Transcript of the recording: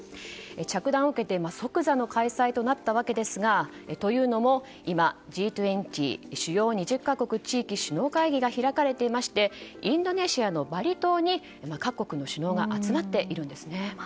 着弾を受けて即座の開催となったわけですがというのも、今Ｇ２０・主要２０か国・地域首脳会議が開かれていましてインドネシアのバリ島に各国の首脳が集まっているんです。